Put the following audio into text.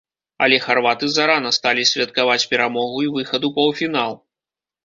Але харваты зарана сталі святкаваць перамогу і выхад у паўфінал.